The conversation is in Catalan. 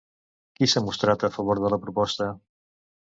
Qui s'ha mostrat a favor de la proposta?